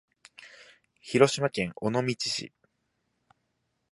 広島県尾道市